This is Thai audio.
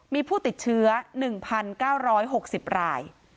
มีผู้ติดเชื้อ๑๙๖๐ราย